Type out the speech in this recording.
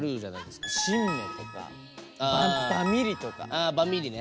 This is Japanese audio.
ああバミリね。